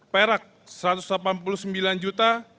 perak satu ratus delapan puluh sembilan juta